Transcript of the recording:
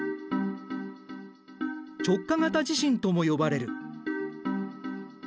直下型地震とも呼ばれる。